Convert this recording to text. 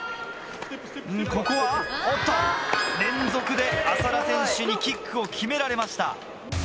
ここはおっと連続で浅田選手にキックを決められました。